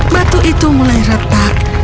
batu itu mulai retak